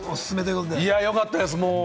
いや、よかったです。